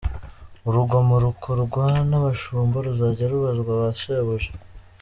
Urugomo rukorwa n’abashumba ruzajya rubazwa ba shebuja